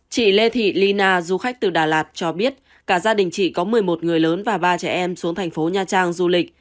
chị lê thị ly na du khách từ đà lạt cho biết cả gia đình chị có một mươi một người lớn và ba trẻ em xuống thành phố nha trang du lịch